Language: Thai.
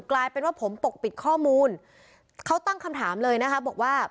กลายเป็นว่าผมปกปิดข้อมูลเขาตั้งคำถามเลยนะคะบอกว่า